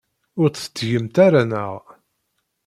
Ur t-tettgemt ara, naɣ?